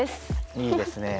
いいですね。